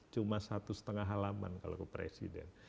cuma satu setengah halaman kalau ke presiden